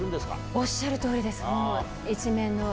おっしゃるとおりです。